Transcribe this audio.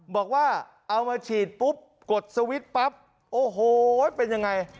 บอกว่าเอามาฉีดปุ๊บกดสวิตช์ปั๊บโอ้โหเป็นยังไง